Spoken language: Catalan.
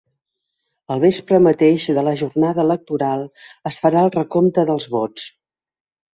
El vespre mateix de la jornada electoral es farà el recompte dels vots.